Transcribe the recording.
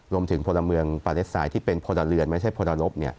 พลเมืองปาเลสไตน์ที่เป็นพลเรือนไม่ใช่พลบ